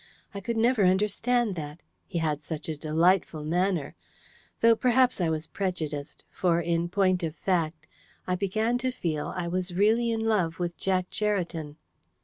I could never understand that: he had such a delightful manner. Though, perhaps I was prejudiced; for, in point of fact, I began to feel I was really in love with Jack Cheriton.